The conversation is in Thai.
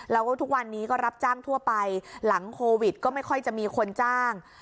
แล้วก็ทุกวันนี้ก็รับจ้างทั่วไปหลังโควิดก็ไม่ค่อยจะมีคนจ้าง